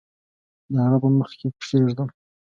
د هغه په مخ کې کښېږدم